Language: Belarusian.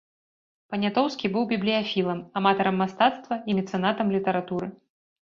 Панятоўскі быў бібліяфілам, аматарам мастацтва і мецэнатам літаратуры.